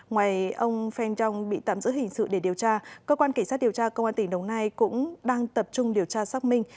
ngoài ông feng dong bị tạm giữ hình sự để điều tra cơ quan cảnh sát điều tra công an tỉnh đồng nai cũng đang tập trung điều tra xác minh